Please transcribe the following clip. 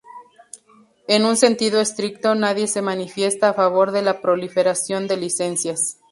En un sentido estricto nadie se manifiesta a favor de la proliferación de licencias.